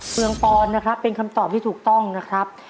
เมืองปอนนะครับเป็นคำตอบที่ถูกต้องนะครับ